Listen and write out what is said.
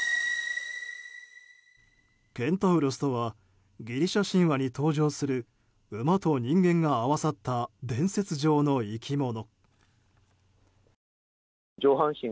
ケンタウロスとはギリシャ神話に登場する馬と人間が合わさった伝説上の生き物。